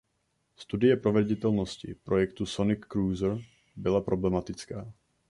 Studie proveditelnosti projektu Sonic Cruiser byla problematická.